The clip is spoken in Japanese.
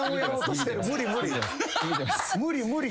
無理無理！